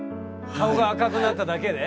顔が赤くなっただけで？